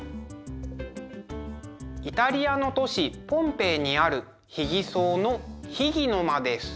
イタリアの都市ポンペイにある「秘儀荘」の「秘儀の間」です。